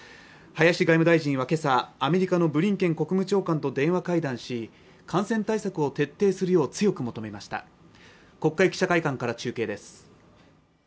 林外務大臣はけさアメリカのブリンケン国務長官と電話会談し感染対策を徹底するよう強く求めました国会記者会館から中継です